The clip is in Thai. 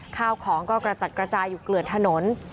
ข้าวของก็กระจัดกระจายอยู่เกลือดถนน